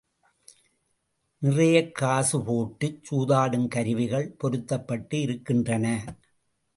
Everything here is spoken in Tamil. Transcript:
நிறைய காசு போட்டுச் சூதாடும் கருவிகள் பொருத்தப்பட்டு இருக்கின்றன.